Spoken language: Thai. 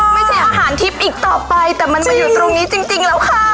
ไม่ใช่อาหารทิพย์อีกต่อไปแต่มันมาอยู่ตรงนี้จริงแล้วค่ะ